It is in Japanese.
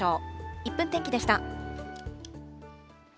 １分天気でした。